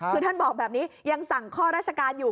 คือท่านบอกแบบนี้ยังสั่งข้อราชการอยู่